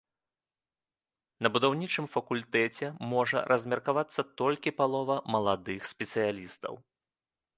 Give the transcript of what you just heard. На будаўнічым факультэце можа размеркавацца толькі палова маладых спецыялістаў.